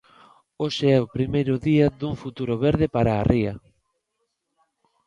Hoxe é o primeiro día dun futuro verde para a Ría!